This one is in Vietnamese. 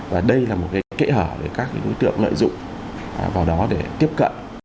và đây là một kẽ hở để các đối tượng lợi dụng vào đó để tiếp cận